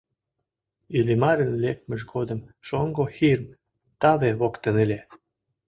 Иллимарын лекмыж годым шоҥго Хирм таве воктен ыле.